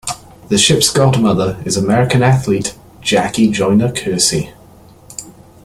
The ship's godmother is American athlete Jackie Joyner-Kersee.